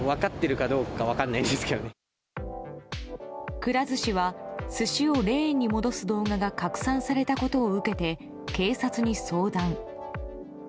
くら寿司は寿司をレーンに戻す動画が拡散されたことを受けて警察に相談。